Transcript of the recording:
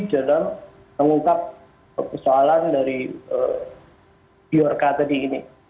jadwal mengungkap persoalan dari prk tadi ini